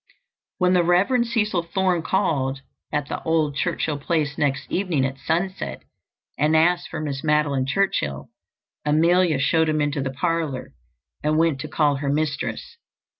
When the Rev. Cecil Thorne called at the old Churchill place next evening at sunset and asked for Miss Madeline Churchill, Amelia showed him into the parlour and went to call her mistress.